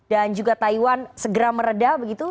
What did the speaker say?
dan juga taiwan segera meredah begitu